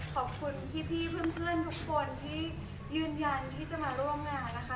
ขอบคุณพี่เพื่อนทุกคนที่ยืนยันที่จะมาร่วมงานนะคะ